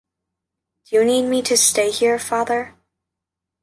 Do you need me to stay here, father?